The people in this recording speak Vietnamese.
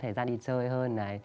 thời gian đi chơi hơn